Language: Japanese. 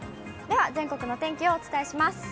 では全国のお天気をお伝えします。